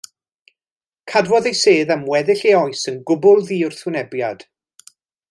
Cadwodd ei sedd am weddill ei oes yn gwbl ddiwrthwynebiad.